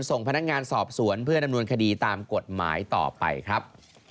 ส่งพนักงานสอบสวนเพื่อดำเนินคดีตามกฎหมายต่อไปครับ